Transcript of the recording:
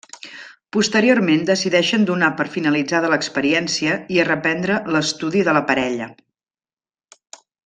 Posteriorment decideixen donar per finalitzada l'experiència i reprendre l'estudi de la parella.